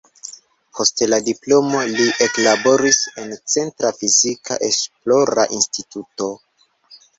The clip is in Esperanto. Post la diplomo li eklaboris en "Centra Fizika Esplora Instituto".